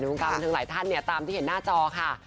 วงการบันเทิงหลายท่านเนี่ยตามที่เห็นหน้าจอค่ะ